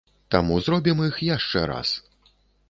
Таму зробім іх яшчэ раз!